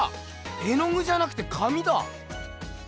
絵のぐじゃなくて紙だ！